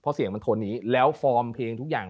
เพราะเสียงมันโทนนี้แล้วฟอร์มเพลงทุกอย่าง